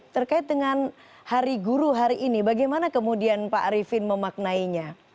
terkait dengan hari guru hari ini bagaimana kemudian pak arifin memaknainya